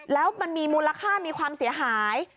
แล้วมันมีมูลค่ามีความเสียหาย